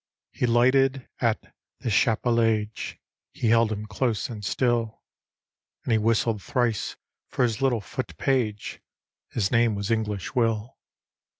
He lighted at the Chapellage, He held him close and sttll; And he whistled thrice for his little foot page; His name was English Will.